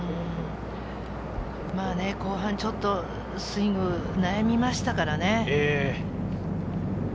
後半ちょっとスイング、悩みましたからね。